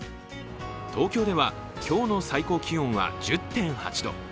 東京では今日の最高気温が１０．８度。